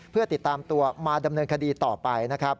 เพื่อติดตามตัวมาดำเนินคดีต่อไปนะครับ